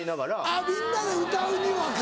あぁみんなで歌うにはか。